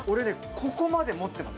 ここまで持ってます